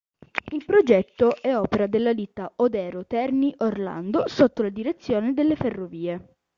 Il progetto è opera della Ditta Odero Terni Orlando sotto la direzione delle Ferrovie.